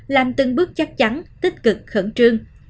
làm từng bước chắc chắn tích cực khẩn trương